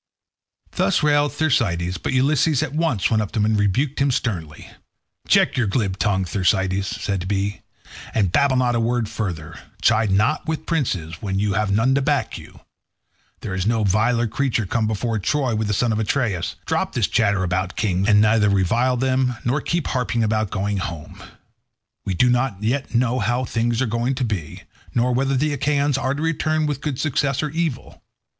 Thus railed Thersites, but Ulysses at once went up to him and rebuked him sternly. "Check your glib tongue, Thersites," said he, "and babble not a word further. Chide not with princes when you have none to back you. There is no viler creature come before Troy with the sons of Atreus. Drop this chatter about kings, and neither revile them nor keep harping about going home. We do not yet know how things are going to be, nor whether the Achaeans are to return with good success or evil.